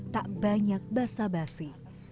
tak banyak basa basi